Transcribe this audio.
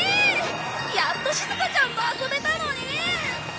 やっとしずかちゃんと遊べたのに！